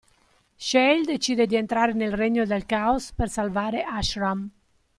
Shale decide di entrare nel regno del Caos per salvare Ashram.